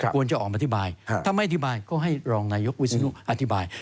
ควรจะออกมาอธิบายถ้าไม่อธิบายก็ให้รองนายกวิศนุอธิบาย